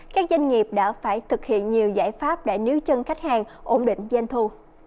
các doanh nghiệp đã phải thực hiện nhiều giải pháp để níu chân khách hàng ổn định doanh thu